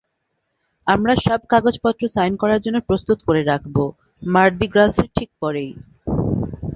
আমরা সব কাগজপত্র সাইন করার জন্য প্রস্তুত করে রাখব, মার্দি গ্রাসের ঠিক পরেই।